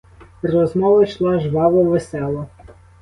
Розмова йшла жваво, весело.